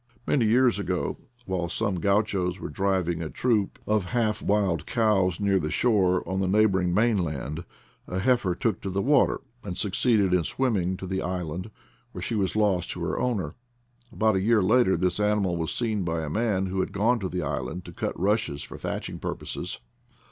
Many years ago, while some gauchos were driving a troop of half wild cows near the shore on the neighboring mainland, a heifer took to the water and succeeded in swimming to the island, where she was lost to her owner. About a year later this animal was seen by a man who had gone to the island to cut rushes for thatching purposes.